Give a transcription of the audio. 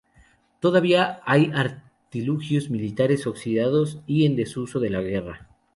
Todavía hay artilugios militares oxidados y en desuso de la guerra.